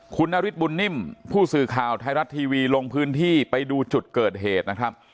คุณนฤทธบุญนิ่มผู้สื่อข่าวไทยรัฐทีวีลงพื้นที่ไปดูจุดเกิดเหตุนะครับ